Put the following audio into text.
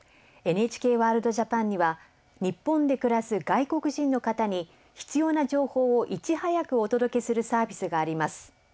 「ＮＨＫワールドＪＡＰＡＮ」には日本で暮らす外国人の方に必要な情報をいち早くお届けするサービスがあります。